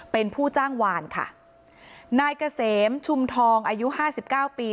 เป็นผู้จ้างวานค่ะนายเกษมชุมทองอายุห้าสิบเก้าปี